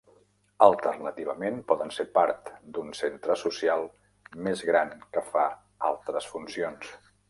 Alternativament, poden ser part d'un centre social més gran que fa altres funcions.